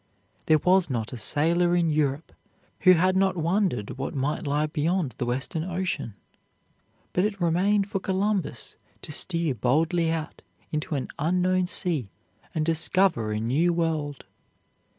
There was not a sailor in Europe who had not wondered what might lie beyond the Western Ocean, but it remained for Columbus to steer boldly out into an unknown sea and discover a new world.